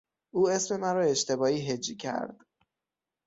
او اسم مرا اشتباهی هجی کرد.